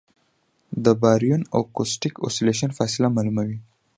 د باریون اکوسټک اوسیلیشن فاصله معلوموي.